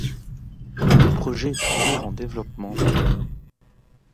Le projet est toujours en développement.